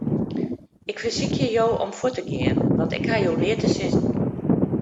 Ik fersykje jo om fuort te gean, want ik haw jo neat te sizzen.